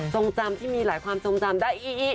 จงจำที่มีหลายความทรงจำได้